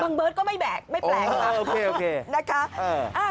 บางเบิร์ดก็ไม่แปลกไม่แปลกค่ะโอเคนะคะ